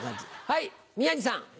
はい宮治さん。